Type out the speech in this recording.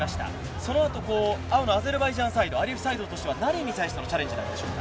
そのあと青のアゼルバイジャンサイド、アリエフサイドとしては、何へのチャレンジでしょうか？